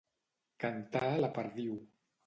Cantar la perdiu.